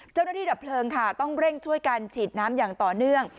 เจ้าหน้าที่ดับเพลิงค่ะต้องเร่งช่วยการฉีดน้ำอย่างต่อเนื่อง